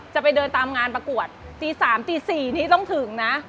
จะไปเดินตามงานประกวดตี๓ตี๔นี้ต้องถึงนะ